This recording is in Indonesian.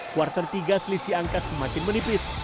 kuartal tiga selisih angka semakin menipis